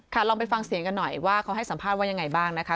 ลองไปฟังเสียงกันหน่อยว่าเขาให้สัมภาษณ์ว่ายังไงบ้างนะคะ